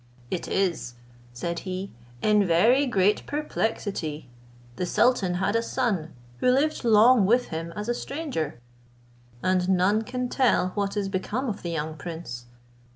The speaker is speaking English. "It is," said he, "in very great perplexity. The sultan had a son, who lived long with him as a stranger, and none can tell what is become of the young prince.